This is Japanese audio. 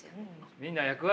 みんな役割。